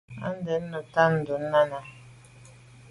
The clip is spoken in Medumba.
À dun neta dut nà nène.